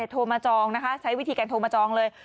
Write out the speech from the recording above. โทรมาจองนะคะใช้วิธีการโทรมาจองเลย